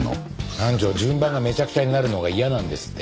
班長順番がめちゃくちゃになるのが嫌なんですって。